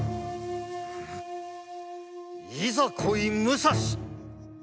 いざ来いっ武蔵！